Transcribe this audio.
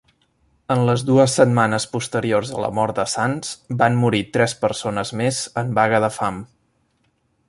En les dues setmanes posteriors a la mort de Sands, van morir tres persones més en vaga de fam.